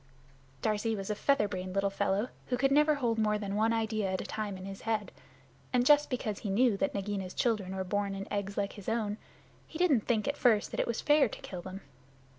Darzee was a feather brained little fellow who could never hold more than one idea at a time in his head. And just because he knew that Nagaina's children were born in eggs like his own, he didn't think at first that it was fair to kill them.